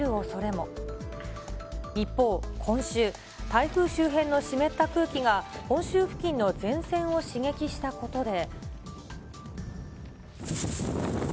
台風周辺の湿った空気が本州付近の前線を刺激したことで。